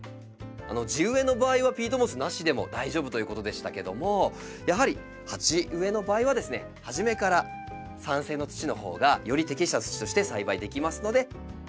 地植えの場合はピートモスなしでも大丈夫ということでしたけどもやはり鉢植えの場合はですね初めから酸性の土のほうがより適した土として栽培できますので。